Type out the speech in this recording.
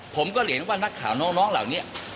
ผมก็เรียนว่านักข่าวน้องเหล่านี้